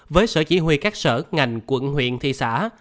với sở chỉ huy các sở ngành quận huyện thị xã